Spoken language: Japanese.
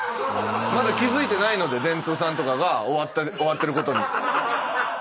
まだ気付いてないので電通さんとかが終わってることに。